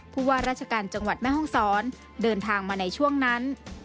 ผู้ว่าราชการจังหวัดแม่ห้องศรเดินทางมาในช่วงนั้น